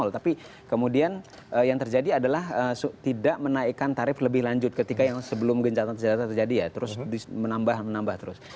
tapi kemudian yang terjadi adalah tidak menaikkan tarif lebih lanjut ketika yang sebelum gencatan senjata terjadi ya terus menambah terus